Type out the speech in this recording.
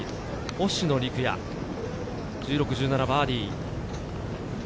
星野陸也、１６、１７とバーディー。